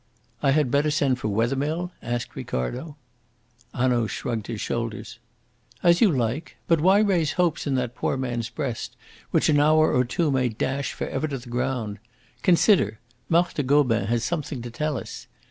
"I had better send for Wethermill?" asked Ricardo. Hanaud shrugged his shoulders. "As you like. But why raise hopes in that poor man's breast which an hour or two may dash for ever to the ground? Consider! Marthe Gobin has something to tell us.